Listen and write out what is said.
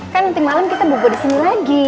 kan nanti malam kita bubur disini lagi